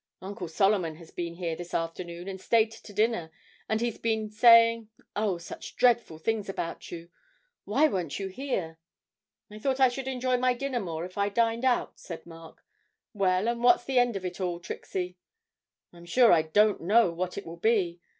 Uncle Solomon has been here this afternoon and stayed to dinner and he's been saying, oh, such dreadful things about you. Why weren't you here?' 'I thought I should enjoy my dinner more if I dined out,' said Mark. 'Well, and what's the end of it all, Trixie?' 'I'm sure I don't know what it will be.